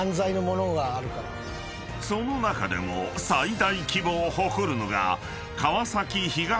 ［その中でも最大規模を誇るのが］